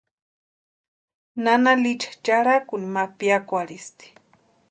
Nana Licha charhakuni ma piakwarhisti.